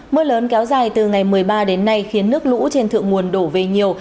mưa lớn kéo dài từ ngày một mươi ba đến nay khiến nước lũ trên thượng nguồn đổ về nhiều